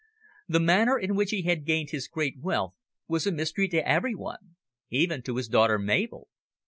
The manner in which he had gained his great wealth was a mystery to every one, even to his daughter Mabel.